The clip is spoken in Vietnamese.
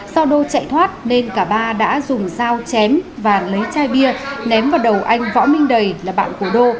do đô chạy thoát nên cả ba đã dùng dao chém và lấy chai bia ném vào đầu anh võ minh đầy là bạn của đô